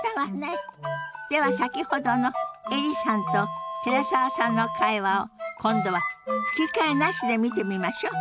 では先ほどのエリさんと寺澤さんの会話を今度は吹き替えなしで見てみましょう。